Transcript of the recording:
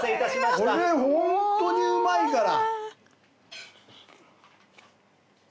これホントにうまいから。